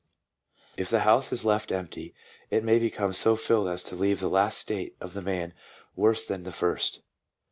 If the house is left empty, it may become so filled as to leave the last state of the man worse than the first.